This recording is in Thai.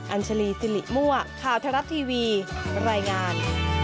อัญชลีสิริมั่วข่าวทรัฐทีวีรายงาน